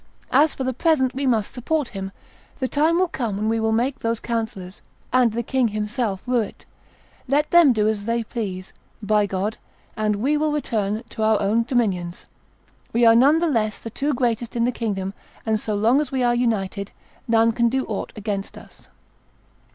As for the present, we must support him. The time will come when we will make those councillors, and the king himself, rue it. Let them do as they please, by God: we will return to our own dominions. We are none the less the two greatest in the kingdom, and so long as we are united, none can do aught against us."